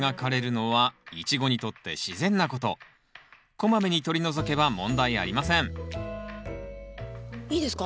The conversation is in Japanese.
こまめに取り除けば問題ありませんいいですか？